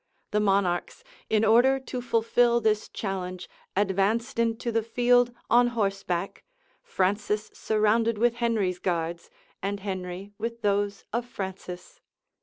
The monarchs, in order to fulfil this challenge, advanced into the field on horseback, Francis surrounded with Henry's guards, and Henry with those of Francis.